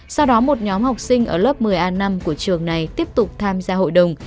sau đó một nhóm học sinh ở lớp một mươi a năm của trường này tiếp tục tham gia hội đồng